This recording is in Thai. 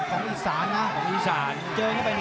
ของอีสานนะของอีสาน